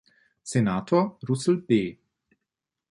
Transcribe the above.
Senator Russel B.